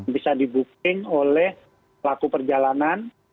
bisa dibuking oleh pelaku perjalanan